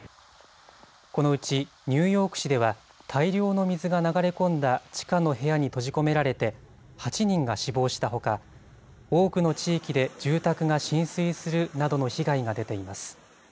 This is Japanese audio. このうちニューヨーク市では大量の水が流れ込んだ地下の部屋に閉じ込められて８人が死亡したほか多くの地域で住宅が浸水するなどの被害が出ています。